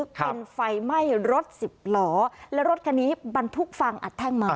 ครับเป็นไฟไหม้รถสิบหล่อแล้วไฟรถบรรทุกฝั่งอัดแท่งมา